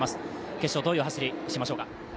決勝、どういう走りしましょうか。